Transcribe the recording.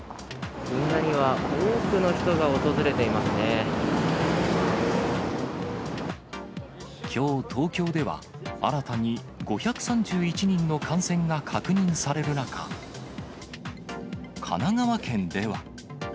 銀座には多くの人が訪れていきょう東京では、新たに５３１人の感染が確認される中、神奈川県では。